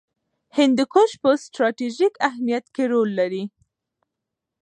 هندوکش په ستراتیژیک اهمیت کې رول لري.